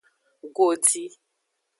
Godi.